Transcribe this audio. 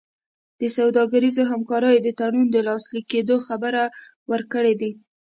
د سوداګریزو همکاریو د تړون د لاسلیک کېدو خبر ورکړی دی.